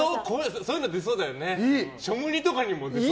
そういうの出そうだよね。